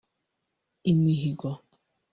imihigo